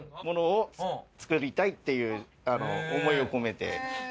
ものを作りたいっていう思いを込めて。